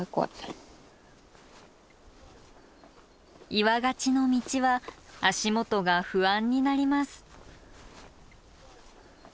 岩がちの道は足元が不安になります